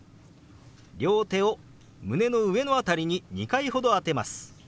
両手を胸の上の辺りに２回ほど当てます。